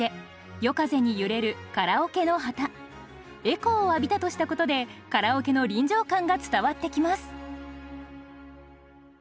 「エコーを浴びた」としたことでカラオケの臨場感が伝わってきます。